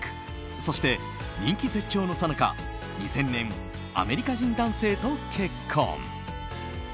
そして人気絶頂のさなか２０００年アメリカ人男性と結婚。